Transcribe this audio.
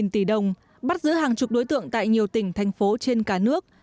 một mươi tỷ đồng bắt giữ hàng chục đối tượng tại nhiều tỉnh thành phố trên cả nước